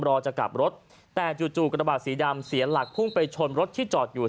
จะกลับรถแต่จู่กระบาดสีดำเสียหลักพุ่งไปชนรถที่จอดอยู่